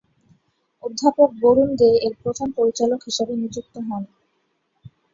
অধ্যাপক বরুণ দে এর প্রথম পরিচালক হিসাবে নিযুক্ত হন।